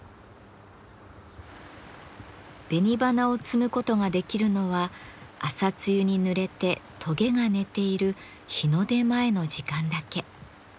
紅花を摘むことができるのは朝露にぬれてトゲが寝ている日の出前の時間だけ。